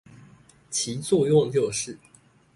其作用就是